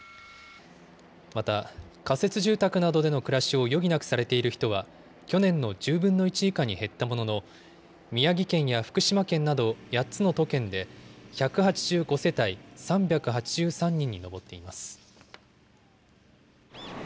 また、仮設住宅などでの暮らしを余儀なくされている人は去年の１０分の１以下に減ったものの、宮城県や福島県など８つの都県で１８５世帯３８３人に上っています。